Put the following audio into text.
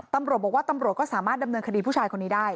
ตำรวจบอกว่าตำรวจก็สามารถดำเนินคดีผู้ชายคนนี้ได้